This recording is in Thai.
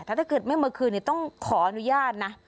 แต่ถ้าเกิดไม่มาคืนต้องขออนุญาตนะ